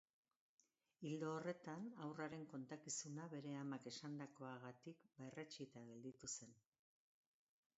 Ildo horretan, haurraren kontakizuna bere amak esandakoagatik berretsita gelditu zen.